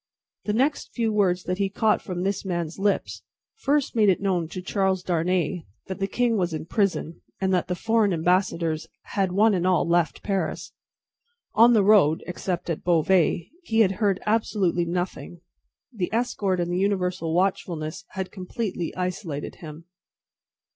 The few words that he caught from this man's lips, first made it known to Charles Darnay that the king was in prison, and that the foreign ambassadors had one and all left Paris. On the road (except at Beauvais) he had heard absolutely nothing. The escort and the universal watchfulness had completely isolated him.